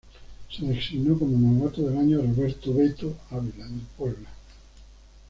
Se designó como novato del año a Roberto "Beto" Ávila" del Puebla.